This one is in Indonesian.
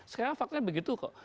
sekarang faktanya begitu kok